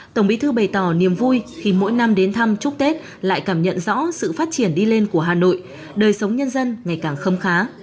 tổng bí thư bày tỏ niềm vui khi mỗi năm đến thăm chúc tết lại cảm nhận rõ sự phát triển đi lên của hà nội đời sống nhân dân ngày càng khâm khá